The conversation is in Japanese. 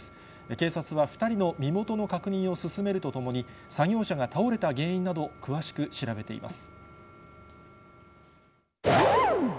警察は２人の身元の確認を進めるとともに、作業車が倒れた原因などを詳しく調べています。